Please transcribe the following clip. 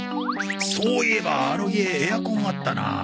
そういえばあの家エアコンあったな。